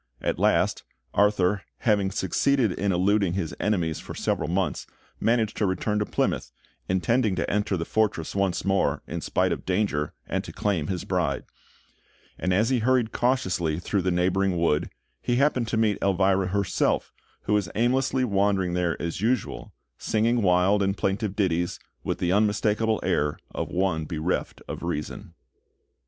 At last, Arthur, having succeeded in eluding his enemies for several months, managed to return to Plymouth, intending to enter the fortress once more, in spite of danger, and to claim his bride; and as he hurried cautiously through the neighbouring wood, he happened to meet Elvira herself, who was aimlessly wandering there as usual, singing wild and plaintive ditties with the unmistakable air of one bereft of reason.